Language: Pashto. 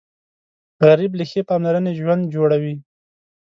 غریب له ښې پاملرنې ژوند جوړوي